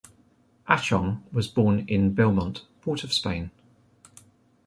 Achong was born in Belmont, Port of Spain.